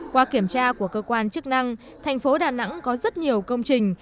qua kiểm tra của cơ quan chức năng tp đà nẵng có rất nhiều công trình